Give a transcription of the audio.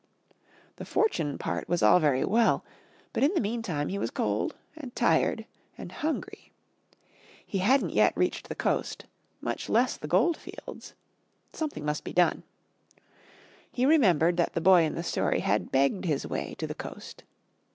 The fortune part was all very well, but in the meantime he was cold and tired and hungry. He hadn't yet reached the coast, much less the goldfields. Something must be done. He remembered that the boy in the story had "begged his way" to the coast.